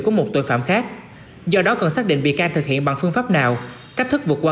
của một tội phạm khác do đó cần xác định bị can thực hiện bằng phương pháp nào cách thức vượt qua